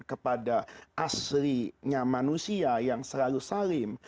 kepada aslinya manusia yang selalu salim